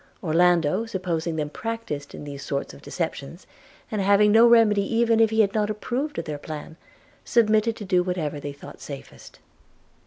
Orlando, supposing them practiced in these sort of deceptions, and having no remedy even if he had not approved of their plan, submitted to do whatever they thought safest.